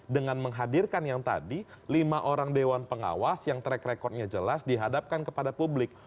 dengan menghadirkan yang tadi lima orang dewan pengawas yang track recordnya jelas dihadapkan kepada publik